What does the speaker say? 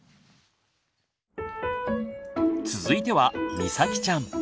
続いてはみさきちゃん。